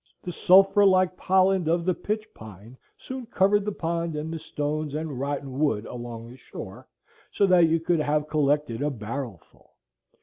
The sulphur like pollen of the pitch pine soon covered the pond and the stones and rotten wood along the shore, so that you could have collected a barrel ful.